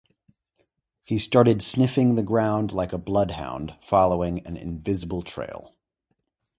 He started sniffing the ground like a bloodhound, following an invisible trail.